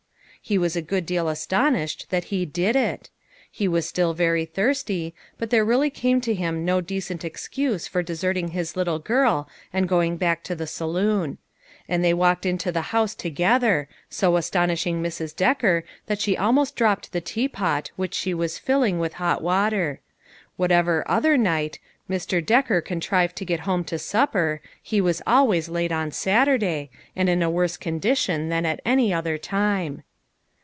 He was a good deal astonished that he did it. He was still very thirsty, but there really came to him no decent excuse for deserting his little girl and going back to the saloon. And they walked into, the house together, so astonishing 132 LITTLE FISHERS : AND THEIR NETS. Mrs. Decker that she almost dropped the teapot which she was filling with hot water. What ever other night, Mr. Decker contrived to get home to supper, he was always late on Saturday, and in a worse condition than at any other time.